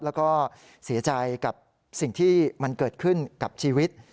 แล้วก็เสียใจกับสิ่งที่มันเกิดขึ้นกับชีวิต